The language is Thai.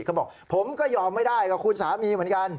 เขาบอกผมก็ยอมไม่ได้กับคุณสามีเหมือนกัน